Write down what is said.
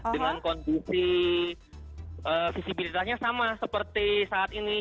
dengan kondisi visibilitasnya sama seperti saat ini